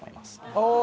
ああ